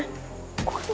gue kan kesal lah